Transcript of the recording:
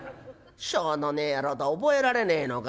しょうのねえ野郎だ覚えられねえのか？